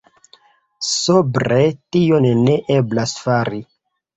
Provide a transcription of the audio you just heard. Sobre tion ne eblas fari.